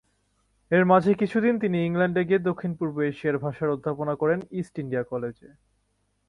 এর মাঝে কিছুদিন তিনি ইংল্যান্ডে গিয়ে দক্ষিণ-পূর্ব এশিয়ার ভাষার অধ্যাপনা করেন ইস্ট ইন্ডিয়া কলেজে।